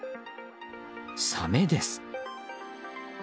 サメです。